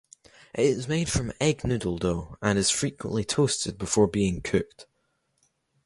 It is made from egg noodle dough and is frequently toasted before being cooked.